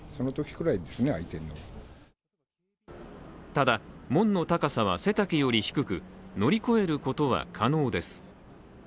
ただ門の高さは背丈より低く、乗り越えることは可能です。